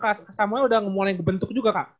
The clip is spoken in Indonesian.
kak samuel udah mulai ngebentuk juga kak